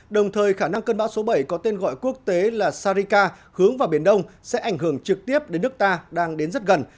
đồng thời khả năng cơn bão số bảy có tên gọi quốc tế là sarika hướng vào biển đông sẽ ảnh hưởng trực tiếp đến nước ta đang đến rất gần